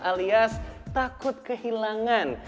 alias takut kehilangan